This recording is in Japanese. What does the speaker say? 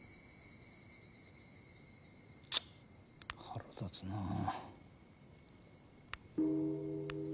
腹立つなあ。